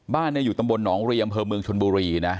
บ้านเนี่ยอยู่ตำบลหนองเรียมอำเภอเมืองชนบุรีนะ